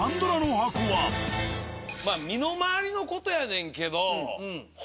まあ身の回りの事やねんけど。